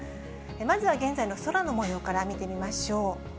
まずは現在の空のもようから見てみましょう。